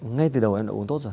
ngay từ đầu em đã uống tốt rồi